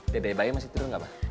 dede bayi masih tidur gak mah